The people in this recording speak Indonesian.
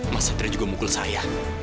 mas satria juga mukul saya